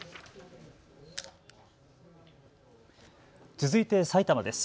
続いて埼玉です。